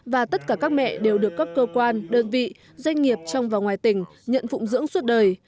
và tất cả các mẹ đều được các cơ quan đơn vị doanh nghiệp trong và ngoài tỉnh nhận phụng dưỡng suốt đời